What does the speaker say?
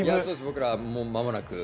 僕らもう間もなく。